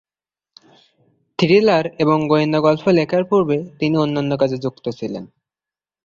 Thriller এবং গোয়েন্দা গল্প লেখার পূর্বে তিনি অন্যান্য কাজে যুক্ত ছিলেন।